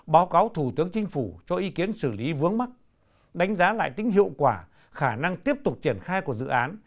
báo cáo thủ tướng chính phủ cho ý kiến xử lý vướng mắt đánh giá lại tính hiệu quả khả năng tiếp tục triển khai của dự án